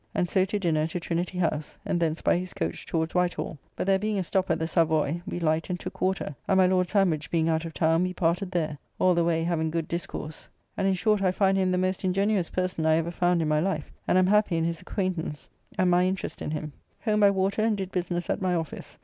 And so to dinner to Trinity House, and thence by his coach towards White Hall; but there being a stop at the Savoy, we 'light and took water, and my Lord Sandwich being out of town, we parted there, all the way having good discourse, and in short I find him the most ingenuous person I ever found in my life, and am happy in his acquaintance and my interest in him. Home by water, and did business at my office.